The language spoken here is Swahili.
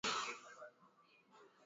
sehemu moja ya kazi inaongozwa na roboti